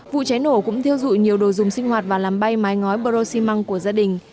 vụ cháy nổ cũng thiêu dụi nhiều đồ dùng sinh hoạt và làm bay mái ngói bờ rô xi măng của gia đình